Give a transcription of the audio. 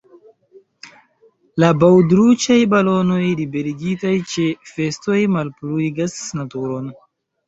La baŭdruĉaj balonoj liberigitaj ĉe festoj malpurigas naturon.